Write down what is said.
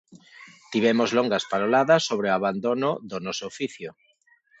Tivemos longas paroladas sobre o abandono do noso oficio.